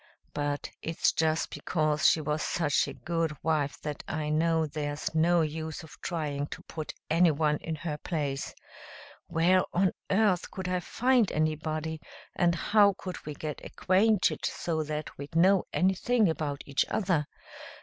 But it's just because she was such a good wife that I know there's no use of trying to put anyone in her place. Where on earth could I find anybody, and how could we get acquainted so that we'd know anything about each other?